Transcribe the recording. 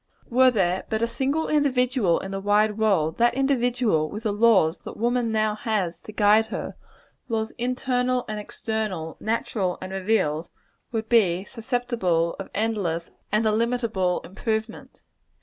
Were there but a single individual in the wide world, that individual, with the laws that woman now has to guide her laws internal and external, natural and revealed would be susceptible of endless and illimitable improvement.